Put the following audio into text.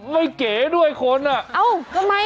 ไม่เก๋ด้วยคนอ่ะเอ้าทำไมอ่ะ